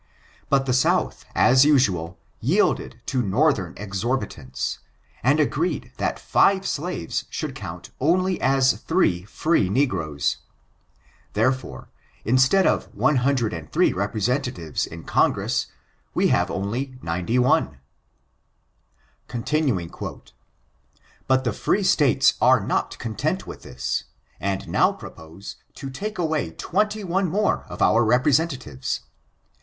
But the Souths as usual, yielded to Northern exorbitance, and agreed that five slaves should count only as three free negroes. There fore, instead of 103 representatives in Congress, we have only 91. ^' But the free States are not content with this, and now propose to take away twenty one more of our representatives.